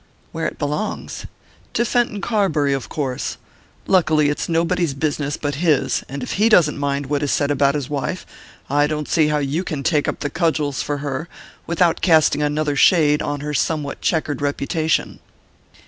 "Where it belongs?" "To Fenton Carbury, of course. Luckily it's nobody's business but his, and if he doesn't mind what is said about his wife I don't see how you can take up the cudgels for her without casting another shade on her somewhat chequered reputation."